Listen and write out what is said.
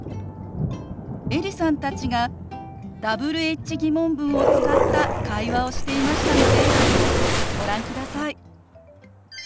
エリさんたちがＷｈ−疑問文を使った会話をしていましたのでご覧ください。